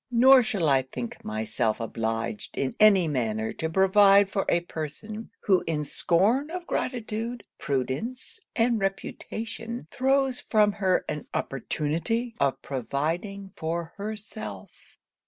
Nor shall I think myself obliged in any manner to provide for a person, who in scorn of gratitude, prudence and reputation, throws from her an opportunity of providing for herself.'